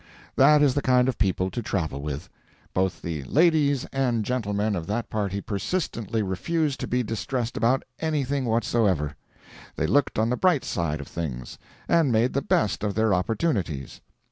That is the kind of people to travel with. Both the ladies and gentlemen of that party persistently refused to be distressed about anything whatsoever. They looked on the bright side of things, and made the best of their opportunities.